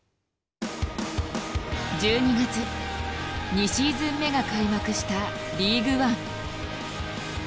２シーズン目が開幕したリーグワン。